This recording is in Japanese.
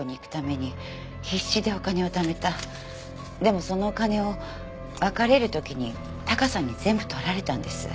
でもそのお金を別れる時にタカさんに全部取られたんです。